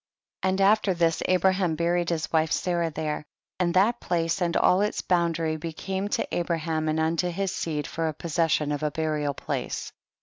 12. And after this Abraham buri ed his wife Sarah there, and that place and all its boundary became to Abraham and unto his seed for a possession of a burial place.